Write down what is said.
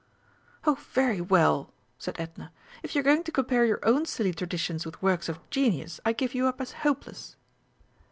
"Oh, very well!" said Edna; "if you are going to compare your own silly traditions with works of genius, I give you up as hopeless!"